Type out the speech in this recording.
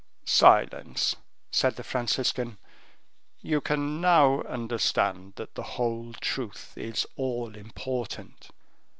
"Silence," said the Franciscan., "you can now understand that the whole truth is all important."